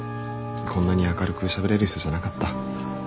こんなに明るくしゃべれる人じゃなかった。